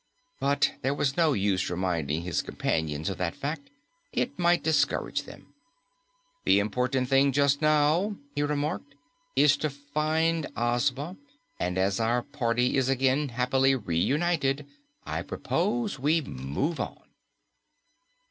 But there was no use reminding his companions of that fact; it might discourage them. "The important thing just now," he remarked, "is to find Ozma, and as our party is again happily reunited, I propose we move on."